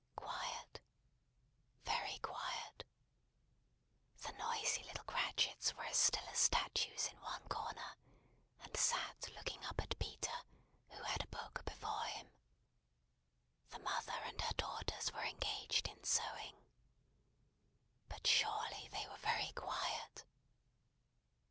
Quiet. Very quiet. The noisy little Cratchits were as still as statues in one corner, and sat looking up at Peter, who had a book before him. The mother and her daughters were engaged in sewing. But surely they were very quiet!